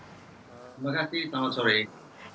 terima kasih selamat sore